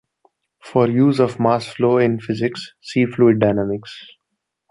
For use of "mass flow" in physics see Fluid Dynamics.